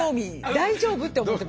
「大丈夫？」って思ってます